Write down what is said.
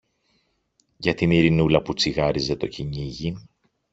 για την Ειρηνούλα που τσιγάριζε το κυνήγι.